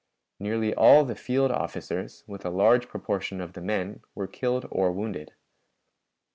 Nearly all the field officers, with a large proportion of the men, were killed or wounded.